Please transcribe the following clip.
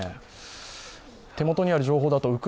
手元にある情報だと